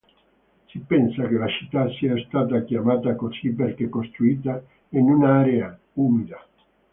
Si pensa che la città sia stata chiamata così perché costruita in un'area umida.